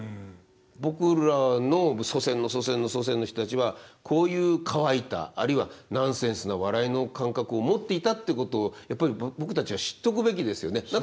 僕らの祖先の祖先の祖先の人たちはこういう乾いたあるいはナンセンスな笑いの感覚を持っていたってことやっぱり僕たちは知っとくべきですよね。